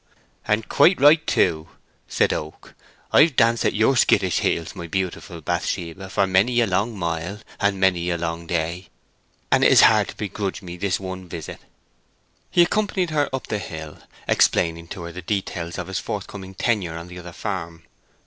"And quite right too," said Oak. "I've danced at your skittish heels, my beautiful Bathsheba, for many a long mile, and many a long day; and it is hard to begrudge me this one visit." He accompanied her up the hill, explaining to her the details of his forthcoming tenure of the other farm.